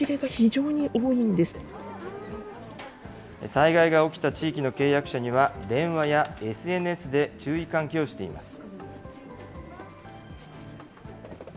災害が起きた地域の契約者には、電話やＳＮＳで注意喚起をしています。